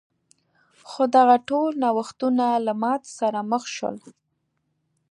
خو دغه ټول نوښتونه له ماتې سره مخ شول.